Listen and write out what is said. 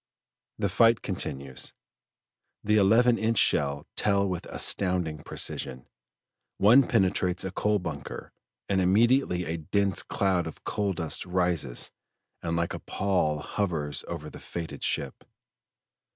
The fight continues. The eleven inch shell tell with astonishing precision; one penetrates a coal bunker, and immediately a dense cloud of coal dust rises and like a pall hovers over the fated ship.